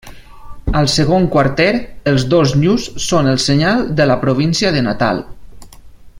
Al segon quarter, els dos nyus són el senyal de la província de Natal.